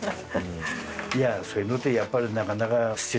いやそういうのってやっぱり。